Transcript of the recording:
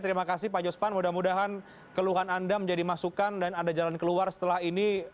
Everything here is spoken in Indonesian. terima kasih pak jospan mudah mudahan keluhan anda menjadi masukan dan anda jalan keluar setelah ini